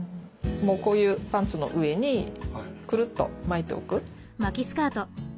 もうこういうパンツの上にくるっと巻いておく。